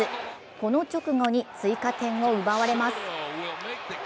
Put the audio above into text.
この直後に追加点を奪われます。